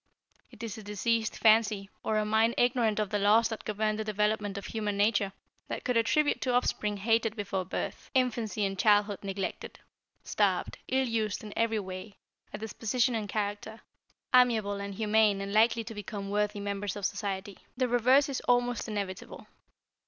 It is a diseased fancy, or a mind ignorant of the laws that govern the development of human nature, that could attribute to offspring hated before birth: infancy and childhood neglected; starved, ill used in every way, a disposition and character, amiable and humane and likely to become worthy members of society. The reverse is almost inevitable.